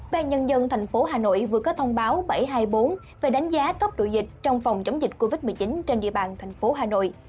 bàn nhân dân thành phố hà nội vừa có thông báo bảy trăm hai mươi bốn về đánh giá cấp độ dịch trong phòng chống dịch covid một mươi chín trên địa bàn thành phố hà nội